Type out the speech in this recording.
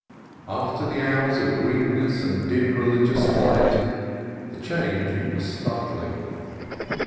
After the hours of greenness and "dim religious light" the change was startling.